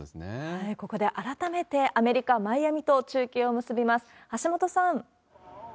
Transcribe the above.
ここで改めて、アメリカ・マイアミと中継を結びます。